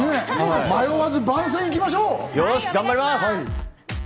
迷わず番宣行きましょう！